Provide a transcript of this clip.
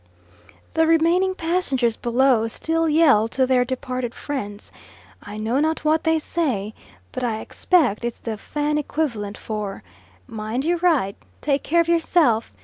The remaining passengers below still yell to their departed friends; I know not what they say, but I expect it's the Fan equivalent for "Mind you write. Take care of yourself.